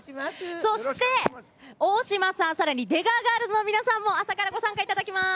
そして大島さん、さらに出川ガールズの皆さんも朝からご参加いただきます。